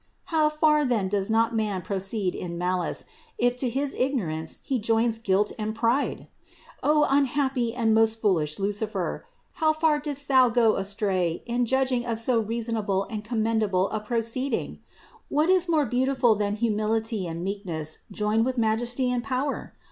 How far then does not man proceed in malice, if to his ignorance he joins guilt and pride? O un happy and most foolish Lucifer! How far didst thou go astray in judging of so reasonable and commendable a proceeding! What is more beautiful than humility and meekness joined with majesty and power?